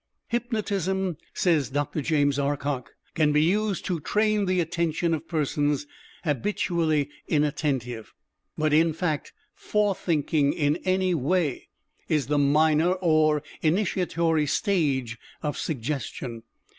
"Hypnotism," says Dr. JAMES R. COCKE, "can be used to train the attention of persons habitually inattentive." But, in fact, forethinking in any way is the minor or initiatory stage of Suggestion.